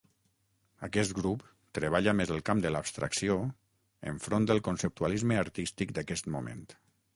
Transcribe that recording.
Aquest grup treballa més el camp de l'abstracció enfront del conceptualisme artístic d'aquest moment.